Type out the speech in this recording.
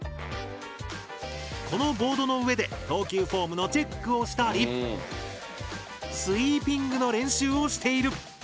このボードの上で投球フォームのチェックをしたりスイーピングの練習をしている。